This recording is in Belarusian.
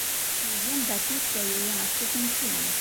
Легенда апісвае яе наступным чынам.